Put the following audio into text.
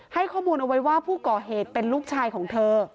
ให้ข้อมูลเอาไว้ว่าผู้ก่อเหตุเป็นลูกชายของเธอ